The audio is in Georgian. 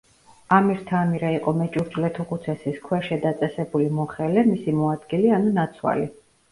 ამირთა ამირა იყო მეჭურჭლეთუხუცესის „ქვეშე დაწესებული“ მოხელე, მისი მოადგილე ანუ „ნაცვალი“.